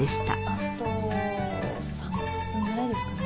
あと３分ぐらいですかね。